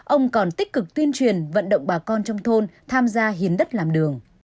ông còn tích cực tuyên truyền vận động bà con trong thôn tham gia hiến đất làm đường